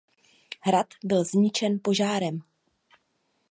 Hrad byl zničen požárem.